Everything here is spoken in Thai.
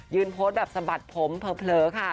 โพสต์แบบสะบัดผมเผลอค่ะ